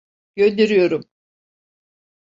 Gönderiyorum.